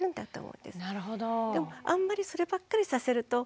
でもあんまりそればっかりさせるとかえってね。